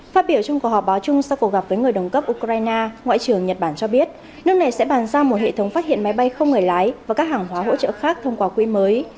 phát biểu trong cuộc họp báo chung sau cuộc gặp với người đồng cấp ukraine ngoại trưởng nhật bản cho biết nước này sẽ bàn ra một hệ thống phát hiện máy bay không người lái và các hàng hóa hỗ trợ khác thông qua quỹ mới